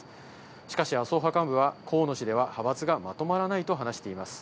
しかし麻生派幹部は、河野氏では派閥がまとまらないと話しています。